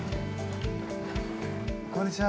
こんにちは。